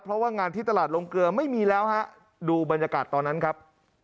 เพราะว่างานที่ตลาดลงเกลือไม่มีแล้วฮะดูบรรยากาศตอนนั้นครับ